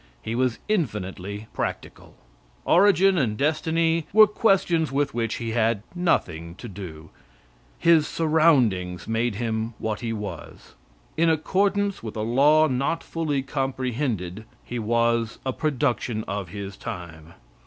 He was infinitely practical. Origin and destiny were questions with which he had nothing to do. His surroundings made him what he was. In accordance with a law not fully comprehended, he was a production of his time.